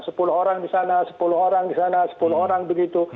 sepuluh orang di sana sepuluh orang di sana sepuluh orang begitu